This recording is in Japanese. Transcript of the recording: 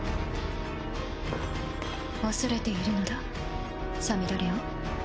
恐れているのださみだれを。